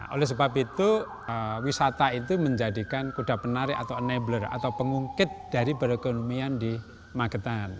oleh sebab itu wisata itu menjadikan kuda penarik atau pengungkit dari perekonomian di magetan